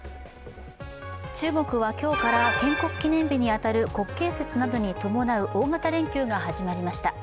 中国は今日から建国記念日に当たる国慶節などに伴う大型連休が始まりました。